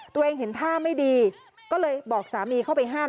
ตัวเองเห็นท่าไม่ดีก็เลยบอกสามีเข้าไปห้าม